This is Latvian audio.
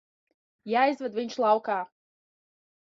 Jāizved viņš laukā.